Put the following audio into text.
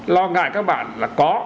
lo ngại các bạn là có